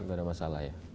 nggak ada masalah ya